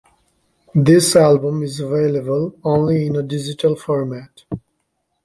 This album is available only in a digital format.